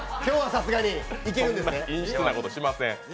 そんな陰湿なことしません。